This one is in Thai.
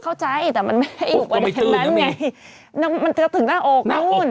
เข้าใจแต่มันไม่ได้อยู่ประเด็นนั้นไงมันจะถึงหน้าอกนู้น